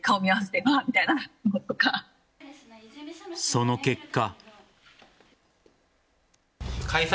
その結果。